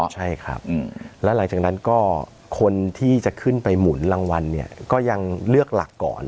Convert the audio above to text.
ใช่ครับแล้วหลังจากนั้นก็คนที่จะขึ้นไปหมุนรางวัลเนี่ยก็ยังเลือกหลักก่อน